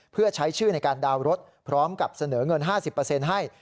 เพื่อใช้ชื่อในการดาวน์รถพร้อมกับเสนอเงิน๕๐ให้